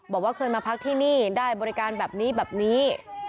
บอกว่าเคยมาพักที่นี่ได้บริการแบบนี้แบบนี้